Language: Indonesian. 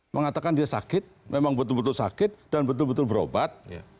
mengatakan dia sakit memang betul betul sakit dan betul betul berobat